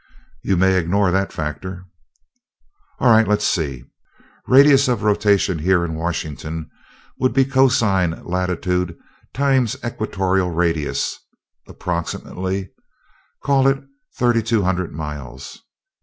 "You may ignore that factor." "All right let's see. Radius of rotation here in Washington would be cosine latitude times equatorial radius, approximately call it thirty two hundred miles.